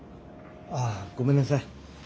ああごめんなさい。